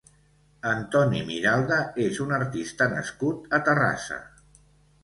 Antoni Miralda és un artista nascut a Terrassa.